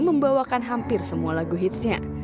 membawakan hampir semua lagu hitsnya